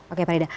oke pak rida